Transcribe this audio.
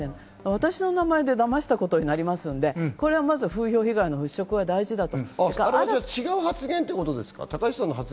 私の名前でだましたことになりますので、これは風評被害の払拭は大事だと。